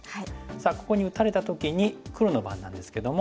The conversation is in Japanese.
さあここに打たれた時に黒の番なんですけども。